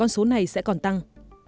số này sẽ còn tăng